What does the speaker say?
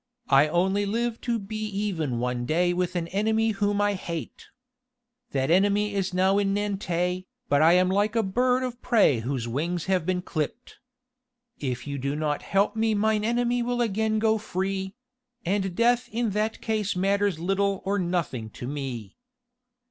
I only live to be even one day with an enemy whom I hate. That enemy is now in Nantes, but I am like a bird of prey whose wings have been clipped. If you do not help me mine enemy will again go free and death in that case matters little or nothing to me."